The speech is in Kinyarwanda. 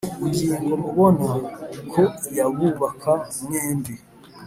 ingingo mubona ko yabubaka mwembi